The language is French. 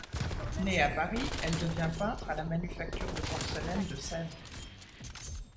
Née à Paris, elle devient peintre à la manufacture de porcelaine de Sèvres.